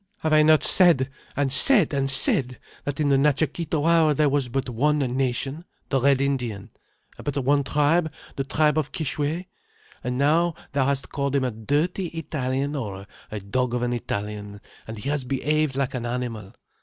Have I not said, and said, and said that in the Natcha Kee Tawara there was but one nation, the Red Indian, and but one tribe, the tribe of Kishwe? And now thou hast called him a dirty Italian, or a dog of an Italian, and he has behaved like an animal.